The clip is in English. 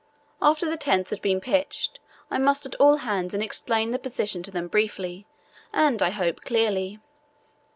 After the tents had been pitched I mustered all hands and explained the position to them briefly and, I hope, clearly.